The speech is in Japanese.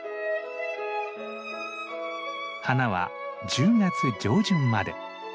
花は１０月上旬まで。